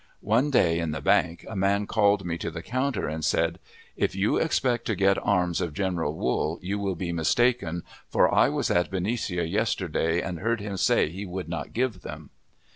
One day in the bank a man called me to the counter and said, "If you expect to get arms of General Wool, you will be mistaken, for I was at Benicia yesterday, and heard him say he would not give them."